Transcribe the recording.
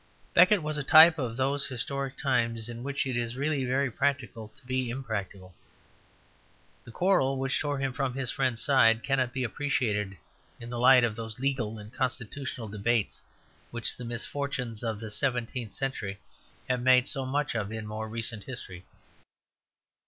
Becket was a type of those historic times in which it is really very practical to be impracticable. The quarrel which tore him from his friend's side cannot be appreciated in the light of those legal and constitutional debates which the misfortunes of the seventeenth century have made so much of in more recent history.